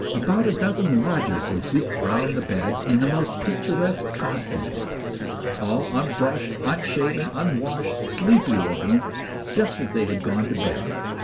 About a dozen lodgers were grouped round the bed in the most picturesque costumes, all unbrushed, unshaven, unwashed, sleepy loo king, just as they had gone to bed.